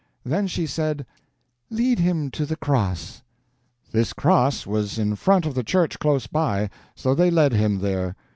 Then she said, 'Lead him to the cross.' This cross was in front of the church close by. So they led him there.